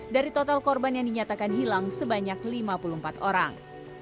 dari total korban yang dinyatakan hilang sebanyak lima puluh empat orang